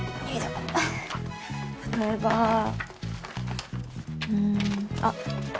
例えばうんあっ